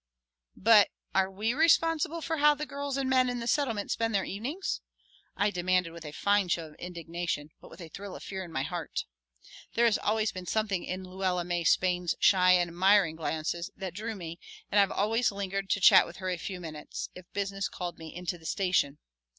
"But are we responsible for how the girls and men in the Settlement spend their evenings?" I demanded with a fine show of indignation, but with a thrill of fear in my heart. There has always been something in Luella May Spain's shy and admiring glances that drew me and I have always lingered to chat with her a few minutes if business called me into the station.